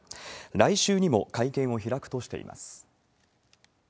来週にも会見を開くとしています。